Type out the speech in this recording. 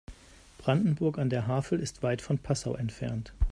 Brandenburg an der Havel ist weit von Passau entfernt